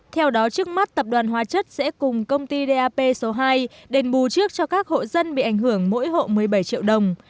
theo đó trước mắt tập đoàn hóa chất sẽ cùng công ty dap số hai đền bù trước cho các hộ dân bị ảnh hưởng mỗi hộ một mươi bảy triệu đồng